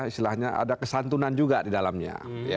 istilahnya ada kesantunan juga di dalamnya